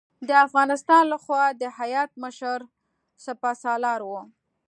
د افغانستان له خوا د هیات مشر سپه سالار و.